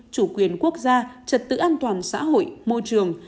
chủ quyền quốc gia trật tự an toàn xã hội môi trường